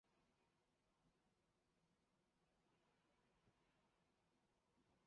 常生长于有扰动的木屑或泥土地上。